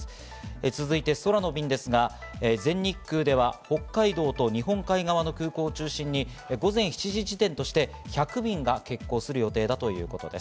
続いて空の便ですが、全日空では北海道と日本海側の空港を中心に午前７時時点として１００便が欠航する予定だということです。